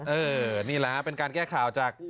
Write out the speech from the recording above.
นี่แหละฮะเป็นการแก้ข่าวจาก